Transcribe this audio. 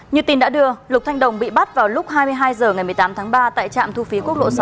như tin đã đưa lục thanh đồng bị bắt vào lúc hai mươi hai h ngày một mươi tám tháng ba tại trạm thu phí quốc lộ sáu